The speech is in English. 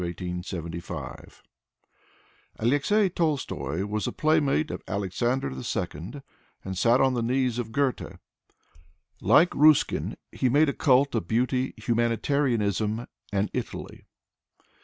Tolstoy (1817 1875) Alexey Tolstoy was a playmate of Alexander II and sat on the knees of Goethe. Like Ruskin, he made a cult of beauty, humanitarianism and Italy.